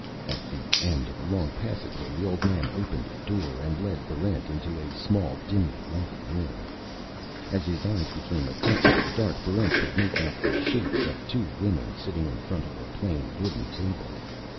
At the end of a long passageway, the old man opened a door and led Barrent into a small, dimly lighted room. As his eyes became accustomed to the dark, Barrent could make out the shapes of two women sitting in front of a plain wooden table.